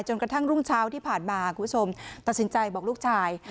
กระทั่งรุ่งเช้าที่ผ่านมาคุณผู้ชมตัดสินใจบอกลูกชาย